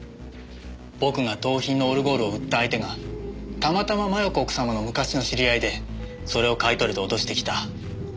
僕が盗品のオルゴールを売った相手がたまたま摩耶子奥様の昔の知り合いでそれを買い取れと脅してきた。